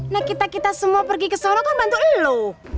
nah kita kita semua pergi ke solo kan bantu elo